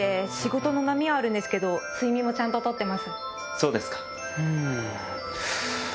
そうですか。